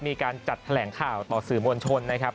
มีการจัดแถลงข่าวต่อสื่อมวลชนนะครับ